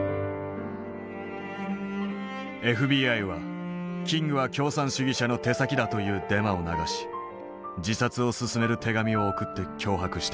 ＦＢＩはキングは共産主義者の手先だというデマを流し自殺を勧める手紙を送って脅迫した。